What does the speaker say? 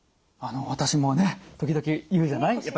あの私もね時々言うじゃない？